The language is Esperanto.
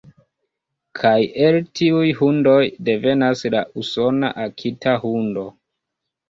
Kaj el tiuj hundoj devenas la usona akita-hundo.